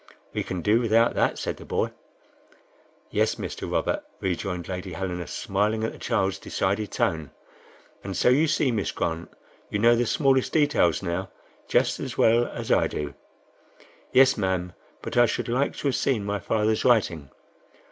"We can do without that," said the boy. "Yes, Mr. Robert," rejoined Lady Helena, smiling at the child's decided tone. "And so you see, Miss Grant, you know the smallest details now just as well as I do." "Yes, ma'am, but I should like to have seen my father's writing."